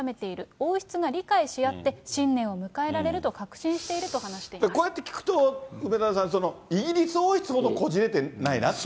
王室が理解し合って、新年を迎えられると確信していると話していこうやって聞くと、梅沢さん、イギリス王室ほどこじれてないな。